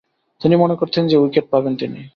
তিনি মনে করতেন যে, উইকেট পাবেন তিনি।